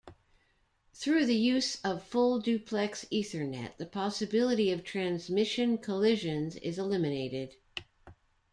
Through the use of full-duplex Ethernet, the possibility of transmission collisions is eliminated.